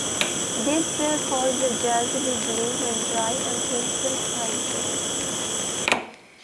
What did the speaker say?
This will cause the gel to be blue when dry and pink when hydrated.